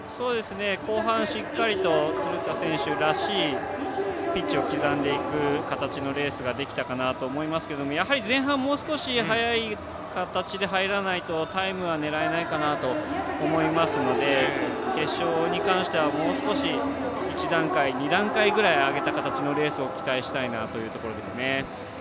後半、しっかりと鶴田選手らしいピッチを刻んでいく形のレースができたかなと思いますけどやはり前半、もう少し速い形で入らないとタイムは狙えないかなと思いますので決勝に関しては、もう少し１段階、２段階ぐらい上げた形のレースを期待したいなというところです。